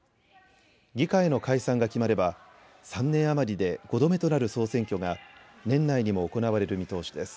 議会の解散が決まれば３年余りで５度目となる総選挙が年内にも行われる見通しです。